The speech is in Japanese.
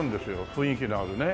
雰囲気のあるね。